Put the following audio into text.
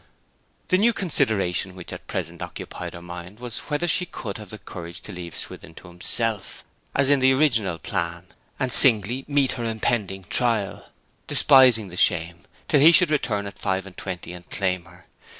The new consideration which at present occupied her mind was whether she could have the courage to leave Swithin to himself, as in the original plan, and singly meet her impending trial, despising the shame, till he should return at five and twenty and claim her?